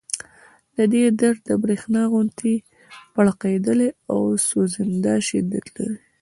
د دې درد د برېښنا غوندې پړقېدلی او سوځنده شدت لري